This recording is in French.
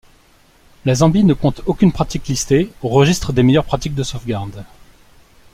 La Zambie ne compte aucune pratique listée au registre des meilleures pratiques de sauvegarde.